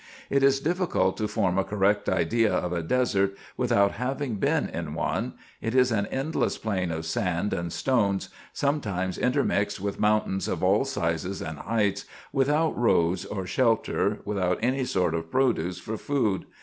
It is difficult to form a correct idea of a desert without having been in one ; it is an endless plain of sand and stones, sometimes inter mixed with mountains of all sizes and heights, without roads or shelter, without any sort of produce for food.